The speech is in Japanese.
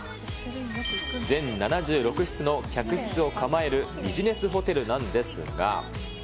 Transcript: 全７６室の客室を構えるビジネスホテルなんですが。